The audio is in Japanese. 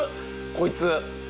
こいつ。